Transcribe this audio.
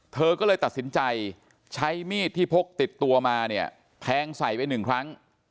เธอก็เลยตัดสินใจใช้มีดที่พกติดตัวมาเนี่ยแทงใส่ไปหนึ่งครั้ง